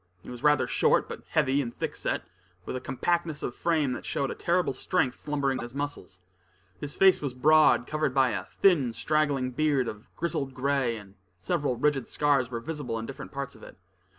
He was rather short, but heavy and thick set, with a compactness of frame that showed a terrible strength slumbering in his muscles. His face was broad, covered by a thin, straggling beard of grizzled gray, and several ridged scars were visible in different parts of it.